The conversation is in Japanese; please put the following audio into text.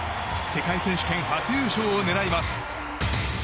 世界選手権初優勝を狙います。